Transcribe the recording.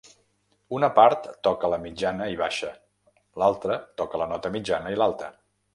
Una part toca la mitjana i baixa, l'altra toca la nota mitjana i l'alta.